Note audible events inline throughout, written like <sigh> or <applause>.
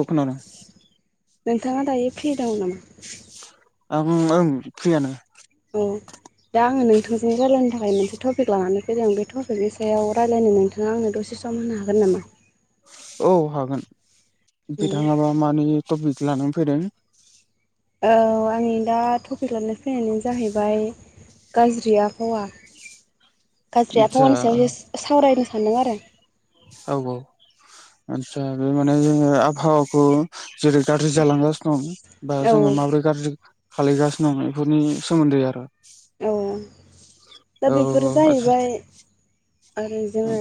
औ खोनादों दायो फ्रि दं नामा? आं ओं फ्रियानो <inaudible> दा आङो नोंथांजों रायल्लायनो थाखाय मोनसे टपिक लानानै फैदों बे टपिकनि सायाव रायज्लायनो नोंथाङा आंनो दसे सम होनो हागोन नामा? औ हागोन बिथाङाबा मानि टपिक लानानै फैदों? औ आंनि दा टपिक लानानै फैनाय जाहैबाय गाज्रि आबहावा गाज्रि आदसा आबाहावा सायसो सावरायनो सानदों आरो औ औ आदसा बे माने आबाहावखौ जेरै गाज्रि जालांगासिनो दं बा औ जोङो माबोरै गाज्रि खालामलिगासिनो दं बेफोरनि सोमोन्दै आरो औ दा औ बेफोरो आदसा जाहैबाय आरो जोङो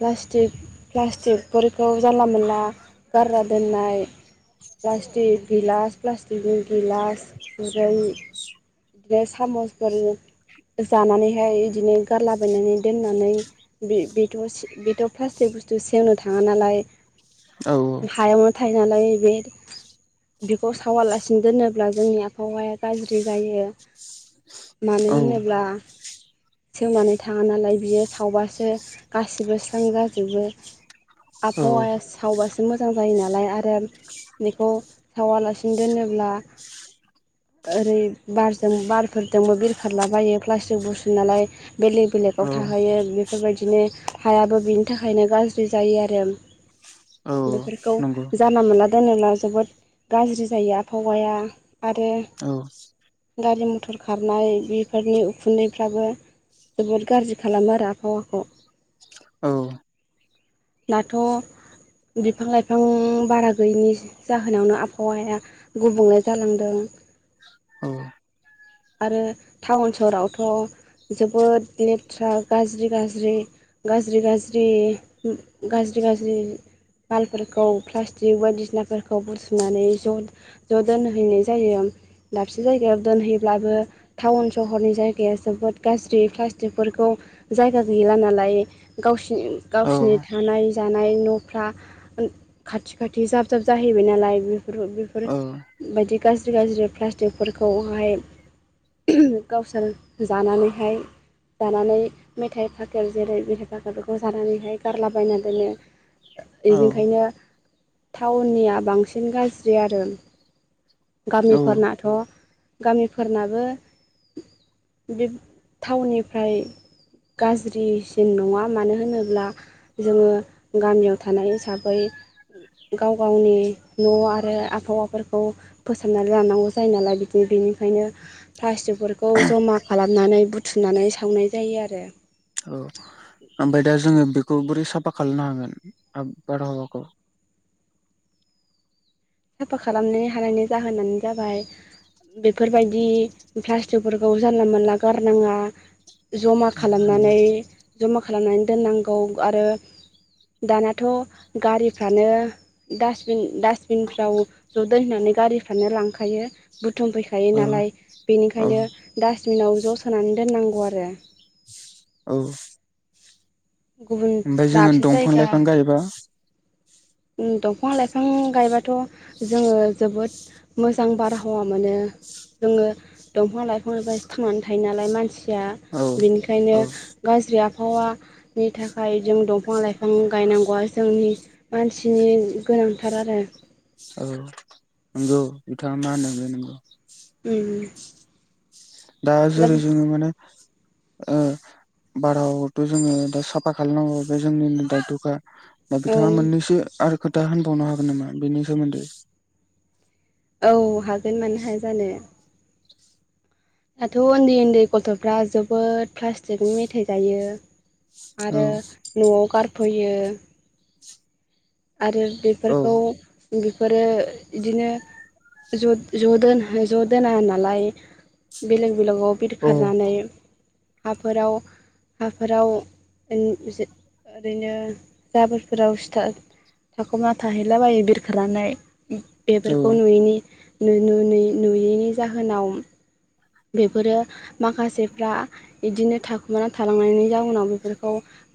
प्लास्टिक प्लास्टिकफोरखौ जानला मोनला गारा दोननाय प्लास्टिक गिलास प्लास्टिकनि गिलास खुरै बिदिनो सामसफोर जानानैहाय बिदिनो गारलाबायायनानै दोन नानै बेथ' प्लास्टिक बुस्थु सेवनो थाङा नालाय औ हायावनो थायो नालाय बे बेखौ सावालासिनो दोनो ब्ला जोंनि आबहावाया गाज्रि जायो मानो औ होनोब्ला सोमनानै थाङा नालाय बियो सावबासो गासिबो स्रां जाजोबो। औ आबहावाया सावबासो मो जां जायो नालाय आरो बेखौ सावालासिनो दोनोब्ला ओरै बारजों बारफोरजोंबो बिरखारलाबायो प्लास्टिक बुस्सु नालाय बेलेग बेलेग आव औ थाहैयो बेफोरबायदिनो हायाबो बेनि थाखायनो गाज्रि जायो आरो। औ बेफोरखौ नंगौ जानला मोनला दोनोब्ला जोबोद गाज्रि जायो आबहावाया। आरो औ। गारि मथर खारनाय बेफोरनि उखुन्दैफ्राबो जोबोद गाज्रि खालामो आरो आबहावाखौ। औ। दाथ' बिफां-लाइफां बारा गैयिनि जाहोनावनो आबहावाया गुबुंले जालांदों। <inaudible> औ। आरो टाउन सहरावथ' जोबोद लेथ्रा गाज्रि गाज्रि गाज्रि गाज्रि गाज्रि गाज्रि मालफोरखौ प्लास्टिक बायदिसिनाफोरखौ बुथुनानै ज' ज' दोनहैनाय जायो। दाबसे जायगायाव दोनहैब्लाबो टाउन सहरनि जायगाया जोबोद गाज्रि प्लास्टिकफोरखौ जायगा गैला नालाय गावसिनि औ गावसिनि थानाय जानाय न' फ्रा खाथि खाथि जाब जाब जाहैबाय नालाय बेफोर बेफोर औ बायदि गाज्रि गाज्रि प्लास्टिकफोरखौहाय गावसोर जानानैहाय जानानै मेथाइ फाखेर जेरै मेथाइ फाखेरफोरखौ जानानैहाय गारलाबायना दोनो। औ इनिखायनो टाउननिया बांसिन गाज्रि आरो। गामिफोरनाथ' गामिफोरनाबो बे टाउननिफ्राय गाज्रिसिन नङा मानो होनोब्ला जोङो गामियाव थानाय हिसाबै गाव गावनि न' आरो आबहावाफोरखौ फोसाबनानै लानांगौ जायो नालाय बिदि बि बिनिखायनो प्लास्टिकफोरखौ जमा खालामनानै बुथुमनानै सावनाय जायो आरो। औ ओमफाय दा जोङो बेखौ बोरै साफा खालामनो हागोन? आब बारहावाखौ? साफा खालामनो हानायनि जाहोनानो जाबाय बेफोरबायदि प्लास्टिकफोरखौ जानला मोनला गारनाङा।। जमा खालामनानै जमा खालामनानै दोननांगौ आरो दानाथ' गारिफ्रानो दासबिन दास बिनफ्राव ज' दोनहैनानै गारिफ्रानो लांखायो बु थुमफैखायो औ नालाय औ बेनिखायनो दास बिनाव ज' सोनानै दोननांगौ आरो। औ। गुबुन ओमफ्राय जोङो दाबसे दंफां जायगा लाइफां गायबा उम दंफां लाइफां गायबाथ' जोङो जोबोद मोजां बारहावा मोनो जोङो दंफां लाइफांजोंसो थांनानै थायो नालाय मानसि सिया औ बिनिखायनो औ गाज्रि आबहावा नि थाखाय जों दंफां लाइफां गायनांगौआ जोंनि मानसिनि गोनांथार आरो। औ नोंगौ बिथाङा मा होनदों बे नंगौ। ओम ओम। दा जेरै जोंङो माने ओ बारावथ' जोङो दा साफा खालामनांगौ बे जोंनिनो दायथ'खा। दा औ बिथाङा मोननैसो आरो खोथा होनबावनो हागोन नामा बेनि सोमोन्दै? औ हागोन मानो हाय जानो। दाथ' उन्दै उन्दै गथ'फ्रा जोबोद फ्लास्टिक मिथाइ जायो। औ आरो न'आव गारफैयो। आरो औ बेफोरखौ बेफोरो इदिनो जुद ज' दोना नालाय बेलेग बेलेगआव औ बिरखारनानै हाफोराव हाफोराव ओन जो ओरैनो जाबोरफोराव सिथा थाखुमा थाहैलाबायो बिरखानानै बेफोरखौ नुयैनि नु-नु-नु-नुयै-नुयैनि जाहोनाव बेफोरो माखासेफ्रा इदिनो थाखुमाना थालांनायनि जाउनाव बेफोरखौ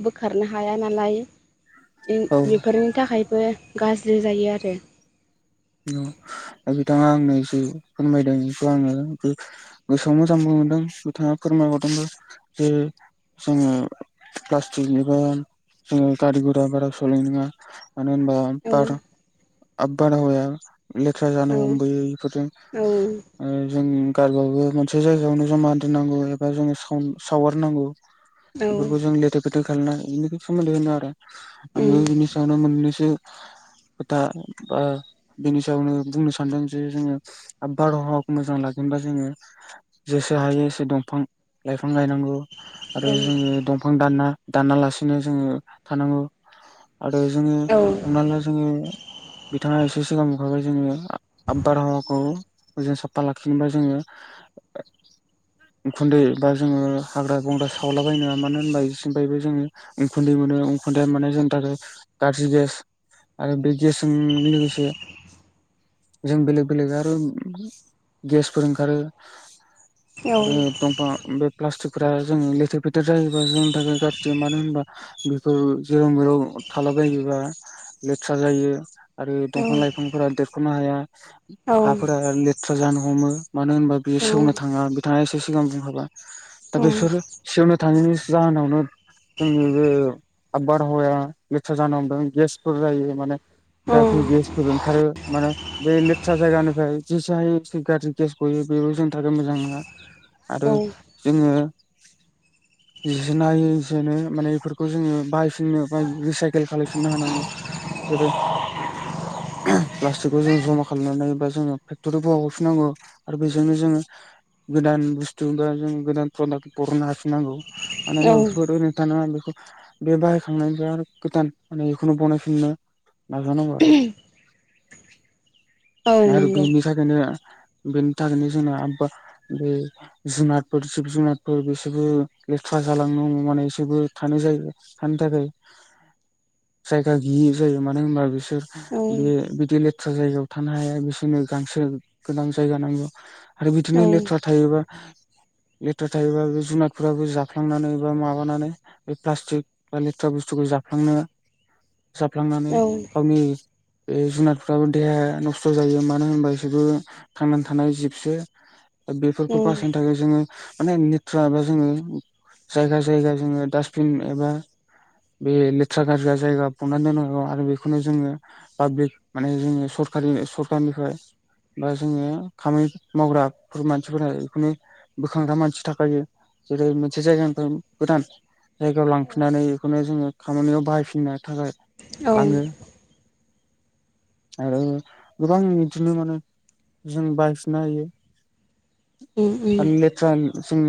बोखारनो हाया नालाय इ औ बेफोरनि बो गाज्रि जायो आरो। दा बिथाङा आंनो जि फोरमायदों बेखौ आङो बि गोसोआव मोजां मोन दों बिथाङा फोरमायहरदोंबो जे जोङो प्लास्टिकनिबो जोङो गारि गुरा बारा सलायनो नाङा। मानो होनबा औ बार आब बारहावाया लेथ्रा औ जानो हमबोयो इफोरजों। औ ओ जों गारबाबो मोनसे जायगायावनो ज'मा दोननांगौ एबा जोङो साव-सावगारनांगौ। औ बेफोरखौ जों लेथेर फेथेर खालायना बिनो सोमोन्दै होनो आरो। आंबो उम बिनि सायावनो मोननैसो खोथा बा बेनि सायावनो बुंनो सानदों जे जोङो बारहावाखौ मोजां लागोनबा जोङो जेस से हायो एसे दंफां लाइफां गायनांगौ। आरो औ जोङो दंफां दानना दाना लासेनो जोङो थानांगौ। आरो जोङो दाथ' हमना ला जोङो बिथाङा एसे सिगां मोनखाबाय जोङो आ बारहावाखौ जों साफ्फा लाखिनोबा जोङो उखुन्दै बा जोङो हाग्रा बंग्रा सावलाबायनाङा मानो होनबा इसोरफ्रायबो जोङो उखुन्दै मोनो। अखुन्दैआ माने जोंनि थाखाय गाज्रि गेस आरो बे गेसजों लोगोसे <inaudible> जों बेलेग बेलेग आरो गेसफोर ओंखारो आरो दंफाङा बे प्लास्टिकफोरा जों लेथेर फेथेर जायोबा जोंनि थाखाय गाज्रि। मानो होनबा बेफोर जेराव मेराव थालाबायोबा लेथ्रा जायो आरो दंफां लाइफांफोरा देरख'नो हाया, हाफोरा लेथ्रा जानो हमो। मानो होनबा बेयो सेवनो थाङा, बिथाङा एसे सिगां बुंखाबाय, दा बेसोर सेवनो थाङिनि जाहोनावनो जोंनि बे आ बारहावाया लेथ्रा जानो हमदों गेसफोर जायो माने गाज्रि गेस फोर ओंखारो माने बे लेथ्रा जायगानिफ्राय जि जा एसे गाज्रि गेस ग'यो बेबो जोंनि थाखाय मोजां नङा आरो जोङो <inaudible> जि नायै जोनो माने इफोरखौ जोङो बाहायफिननो बा रिसाइकेल खालायफिननो हानांगौ। जेरै <inaudible> प्लास्टिकखौ जों ज'मा खालामनानै बा जोङो फेक्टरिफोराव हरफिनांगौ। आरो बेजोंनो जोङो गोदान बुस्थु बा जों गोदान प्रडाक्ट बरननो हफिनांगौ। मानो होनबा बेफोर ओरनो थानाङा। बे बाहायखांनायनिफ्राय आरो गोदान माने इखौनो बनायफिननो नाजानांगौ आरो। आरो बिनि थाखायनो बेनि थाखायनो जोंना आब्बा बे जुनारफोर जिब जुनारफोर बिसोरबो लेथ्रा जालांनो हमो माने इसोरबो थानो जायगा थानो थाखाय <inaudible> जायगा गैयै जायो मानो होनबा बिसोर बे बिदि लेथ्रा जायगायाव थानो हाया बिसोरनो गांसो गोनां जायगा नांगौ। आरो बिदिनो लेथ्रा थायोबा लेथ्रा थायोबा बे जुनादफोराबो जाफ्लांनानै बा माबानानै बे प्लास्टिक बा लेथ्रा बुस्थुखौ जाफ्लांनो <unintelligible> जाफ्लांनानै गावनि बे जुनारफ्राबो देहाया नस्थ' जायो मानो होनबा बिसोरबो थांनानै थानाय जिबसो। बेफोरखौ बासायनो थाखाय जोङो माने लेथ्रा एबा जोङनि जायगा जायगा जोङो दासबिन एबा बे लेथ्रा गारग्रा जायगा फबना दोनौ आरो बेखौनो जोङो पाब्लिक माने जोङो सरकरि सरखारनिफ्राय बा जोङो खामानि मावग्राफोर मानसिफोरा बेखौनो बोखांग्रा मानसि थाखायो। जेरै मोनसे जायगानिफ्राय गोदान जायगायाव लांफिननानै बेखौनो जोङो खामानियाव बाहायफिननो थाखाय औ लाङो आरो गोबां बिदिनो माने जों बायफिननो हायो। आन्नेथ्रान जों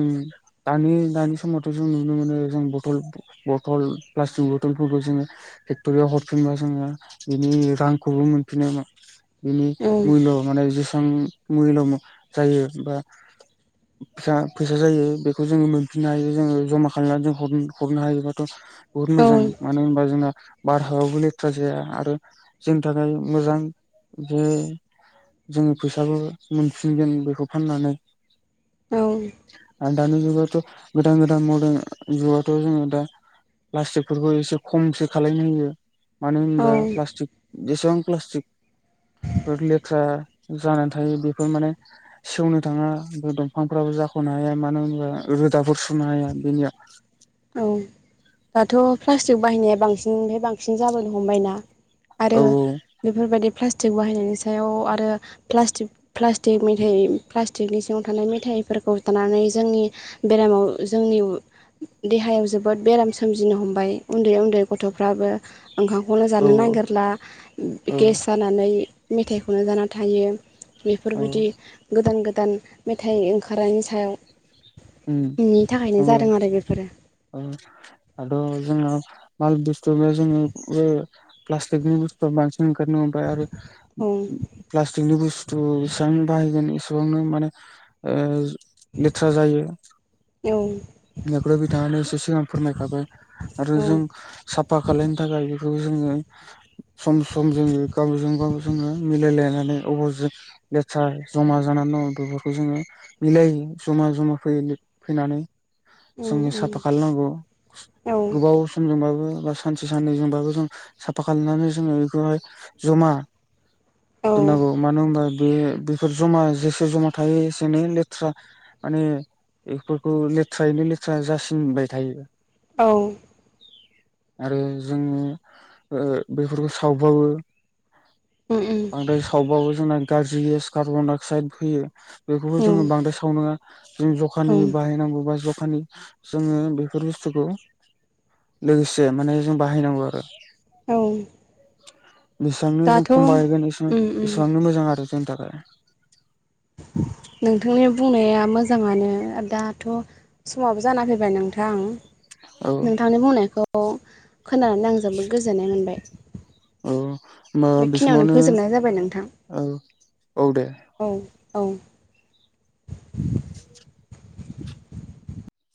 दानि दानि समावथ' जों नुनो मोनो जों बथल बथल प्लास्टिक बथल जोङोे फेक्टरियाव हर फिनबा जोङो बिनि रांखौबो मोनफिनो बिनि मुल्य माने जेसां मुल्य म जायो बा फिसा फैसा जायो बेखौ जोङो मोनफिननो हायो जोङो जमा खालामनानै जों हरनो हायोबाथ' बुहुत मोजां मानो होनबा जोंना बारहायावबो लेथ्रा जाया आ रो जोंनि थाखाय मोजां बे जोंङो फैसाबो मोनफिनगोन बेखौ फाननानै औ आरो दानि जुगावथ' गोदान गोदान मर्दान जुगावथ' जोङो दा प्लास्टिकफोरखौ एसे खमसो खालायनो होयो मानो होनबा प्लास्टिक जेसेबां प्लास्टिक लेथ्रा जानानै थायो बेफोर माने सेवनो थाङा ओमफ्राय दंफांफ्राबो जाख'नो हाया मानो होनोबा रोदाफोर सुनो हाया बेनिया प्लास्टिक बाहायनाया बांसिननिफ्राय बांसिन जाबोनो हमबायना औ आरो बेफोर बायदि प्ला स्टि बाहायनायनि सायाव आरो प्लास्टिक प्लास्टिक मेथाइ प्लास्टिकनि सिङाव थानाय मेथाइफोर हतानानै जोंनि बेरामाव जोंनि देहायाव जोबोद बेराम सोमजिनो हमबाय उन्दै उन्दै गथ'फ्राबो ओंखामखौनो जानो औ नागिरला गेस औ जानानै मेथाइखौनो जाना थायो औ बेफोरबायदि गोदान गो दान मेथाइ ओंखारनायनि उम सायाव नि थाखायनो जादों आरो बेफोरो ओ आर' जोंङो माल बु स्तु जोंङो ओ प्लास्टिकनि बस्तुआ बांसिन ओंखारनो हमबाय आरो औ प्लास्टिकनि बुस्थु एसेबांनो बाहायगोन एसेबांनो माने ओ लेथ्रा जायो। एव बेखौनो बिथाङानो एसे सिगां फोरमाय खाबाय आरो औ जों साफा खालायनो थाखाय बेखौ जोङो सम सम जोङो गावजों गाव जोङो मिलाय लायनानै अबाव जो लेथ्रा जमा जानानै बेफोरखौ जोङो मिलाय जमा जमा फैल फैनानै उम जोंनि उम साफा खालामनांगौ औ गोबाव समजोंबाबो बा सानसे साननै जोंबाबो जों साफा खालामनानै जोङो बेखौहाय जमा औ दोनांगौ मानो होनबा बे बेफोर जमा जेसे जमा थायो एसेनो लेथ्रा माने बेफोरखौ लेथ्रायैनो लेथ्रा जासिनबाय थायो। औ आरो जोङो ओ बेफोरखौ सावबाबो उम बांद्राय सावबाबो जोंना गाज्रि गेस कार्बनडाइ अक्साइड फैयो। बेखौबो उम जोङो बांद्राय सावनाङा जों औ जखानि बाहायनांगौ बा जखानि जोङो बेफोर बुस्थुखौ लोगोसे माने जों बाहायनांगौ आरो औ जेसांनो जों दाथ' खम बाहायगोन एसां उम उम एसेबांनो मोजां आरो जोंनि थाखाय <inaudible> नोंथांनि बुंनाया मोजाङानो दाथ' समाबो जाना फैबाय नोंथां औ नोंथांनि बुंनायखौ खोनानानै आं जोबोद गोजोननाय मोनबाय औ होमबा बे बेखिनियावनो समावनो फोजोबनाय जाबाय नोंथां औ औ दे औ औ